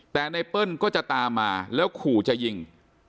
แต่ไนเปิ้ลก็จะตามมาแล้วขู่จะยิง